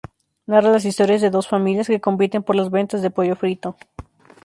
Narra las historias de dos familias que compiten por las ventas de pollo frito.